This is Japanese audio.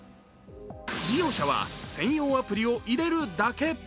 利用者は専用アプリを入れるだけ。